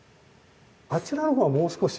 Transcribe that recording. あちらのほうはもう少し。